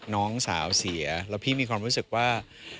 น้องสาวเสียแล้วพี่มีความรู้สึกว่า